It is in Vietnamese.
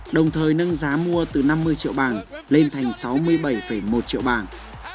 đồng thời nâng giá mua từ năm mươi triệu bảng lên thành sáu mươi bảy một triệu bảng